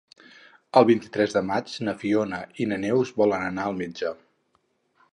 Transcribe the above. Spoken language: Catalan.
El vint-i-tres de maig na Fiona i na Neus volen anar al metge.